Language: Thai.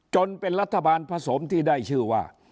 จนเป็นรัฐบาลผสมที่ได้ชื่อว่า